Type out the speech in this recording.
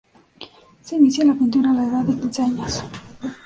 Se inicia en la pintura a la edad de quince años.